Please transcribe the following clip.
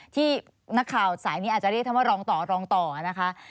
ที่นักข่าวสายนี้อาจจะเรียกท่านว่ารองต่อรองต่อนะคะ